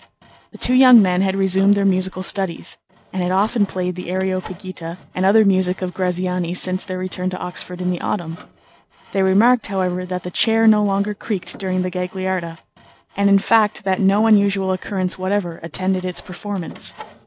The two young men had resumed their musical studies, and had often played the "Areopagita" and other music of Graziani since their return to Oxford in the Autumn. They remarked, however, that the chair no longer creaked during the Gagliarda and, in fact, that no unusual occurrence whatever attended its performance.